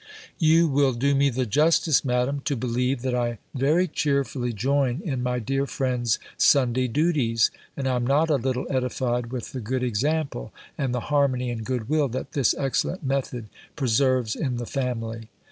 You will do me the justice, Madam, to believe, that I very cheerfully join in my dear friend's Sunday duties; and I am not a little edified, with the good example, and the harmony and good will that this excellent method preserves in the family.